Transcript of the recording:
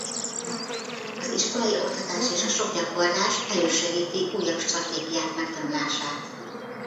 Az iskolai oktatás és a sok gyakorlás elősegíti újabb stratégiák megtanulását.